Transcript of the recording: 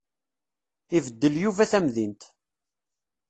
Ibeddel Yuba tamdint.